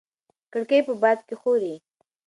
کړکۍ په باد کې ښوري.